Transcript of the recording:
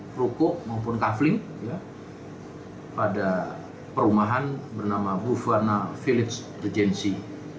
perukok maupun kaveling pada perumahan bernama buvana village regency